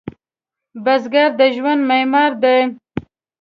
بزګر د ژوند معمار دی